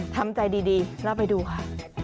ทำใจดีแล้วไปดูค่ะ